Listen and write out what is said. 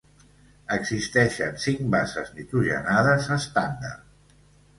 Existeixen cinc bases nitrogenades estàndard.